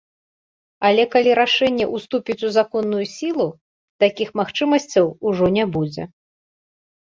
Але калі рашэнне ўступіць у законную сілу, такіх магчымасцяў ужо не будзе.